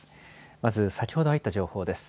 まず先ほど入った情報です。